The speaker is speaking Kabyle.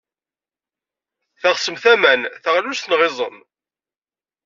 Teɣsem aman, taɣlust neɣ iẓem?